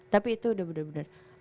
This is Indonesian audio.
tapi itu udah bener bener